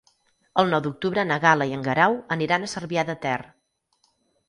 El nou d'octubre na Gal·la i en Guerau aniran a Cervià de Ter.